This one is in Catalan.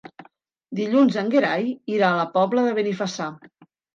Dilluns en Gerai irà a la Pobla de Benifassà.